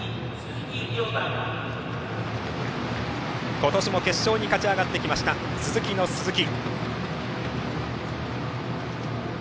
今年も決勝に勝ち上がってきたスズキの鈴木。